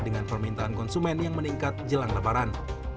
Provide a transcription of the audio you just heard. dengan permintaan konsumen yang meningkat jelang lebaran